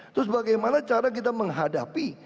terus bagaimana cara kita menghadapi